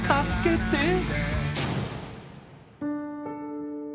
助けて］